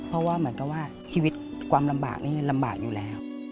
เพราะว่าเหมือนกับว่าชีวิตความลำบากนี่ลำบากอยู่แล้ว